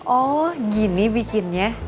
oh gini bikinnya